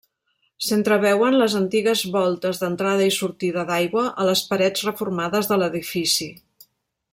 S'entreveuen les antigues voltes d'entrada i sortida d'aigua a les parets reformades de l'edifici.